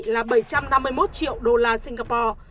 là bảy trăm năm mươi một triệu đô la singapore